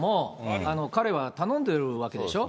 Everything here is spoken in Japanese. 彼は頼んでるわけでしょ。